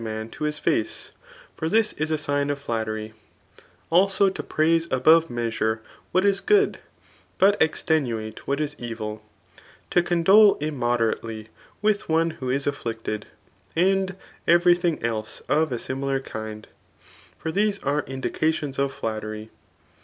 man to his face ; for this is a sign of flattery ; idso to praise above measure what is |;ood» but extenuate what is evil^ to condole immoderately with one who is aflKct« ed ; and every thing else of a similar kind ; for these are indications of flattery.